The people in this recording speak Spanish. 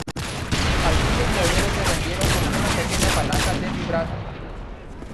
Algunos modelos se vendieron con una pequeña palanca de vibrato.